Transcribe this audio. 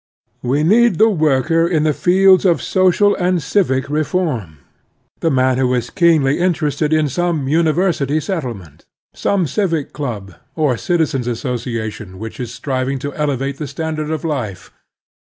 We need the worker in the fields of social and civic reform; the man who is keenly interested in some imiversity settlement, some civic club or citizens* association which is striving to elevate the standard of life.